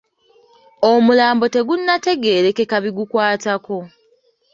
Omulambo tegunnategeerekeka bigukwatako.